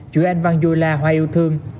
chuỗi anh văn duy la hoa yêu thương